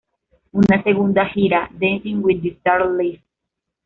Una segunda gira, "Dancing with the Stars Live!